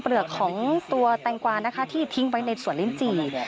เปลือกของตัวแตงกวานะคะที่ทิ้งไว้ในสวนลิ้นจี่